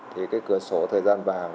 thì cái cửa sổ thời gian vàng